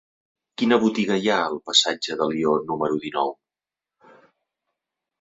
Quina botiga hi ha al passatge d'Alió número dinou?